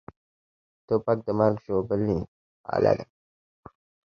توپک د مرګ ژوبلې اله ده.